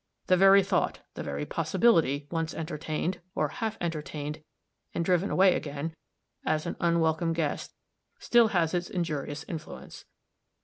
The very thought, the very possibility, once entertained, or half entertained and driven away again, as an unwelcome guest, still has its injurious influence.